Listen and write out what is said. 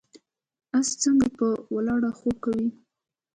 اس څنګه په ولاړه خوب کوي؟